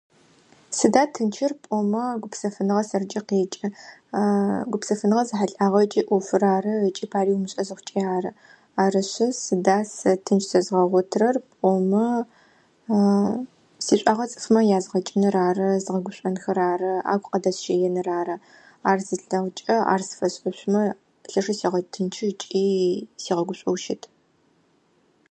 Сыда тынчыр пӏомэ гупсэфыныгъэ сэрджэ къекӏы. Гупсэфыныгъэ зэхьылӏагъэ ыкӏи ӏофыр ары, ыкӏи пари умышӏэ зыхъукӏи ары. Арышъы сыда сэ тынч сэзгъэгъотытэр пӏомэ сишӏуагъэ цӏыфмэ язгъэкӏыныр ары, згъэгушъонхэ ары, агу къыдэсщэеныр ары. Ар зыслъэгъукӏэ ар сфэшӏэшъумэ лъэшэу сегъэтынчи ыкӏи сигъэгушӏоу щыт.